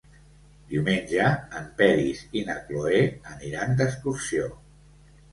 Diumenge en Peris i na Cloè aniran d'excursió.